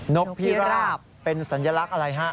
นกพิราบเป็นสัญลักษณ์อะไรฮะ